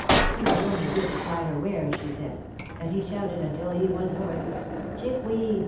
He was only good to cry her wares she said, and he shouted, until he was hoarse : Chickweed